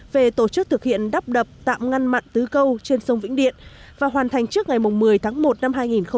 về tổ chức thực hiện đắp đập tạm ngăn mặn tứ câu trên sông vĩnh điện và hoàn thành trước ngày một mươi tháng một năm hai nghìn hai mươi